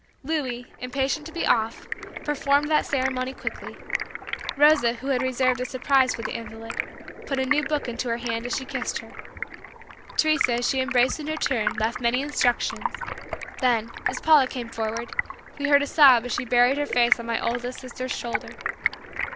Louis, impatient to be off, performed that ceremony quickly; Rosa who had reserved a surprise for the invalid, put a new book into her hand as she kissed her; Teresa, as she embraced her in her turn, left many instructions; then, as Paula came forward, we heard a sob as she buried her face on my oldest sister's shoulder.